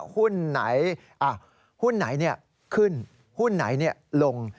หุ้นไหนหุ้นไหนขึ้นหุ้นไหนลง